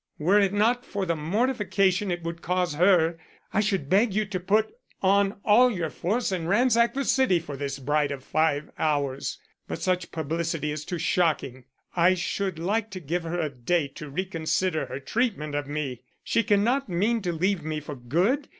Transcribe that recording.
Were it not for the mortification it would cause her I should beg you to put on all your force and ransack the city for this bride of five hours. But such publicity is too shocking. I should like to give her a day to reconsider her treatment of me. She cannot mean to leave me for good.